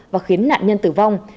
và khiến nạn nhân tử vong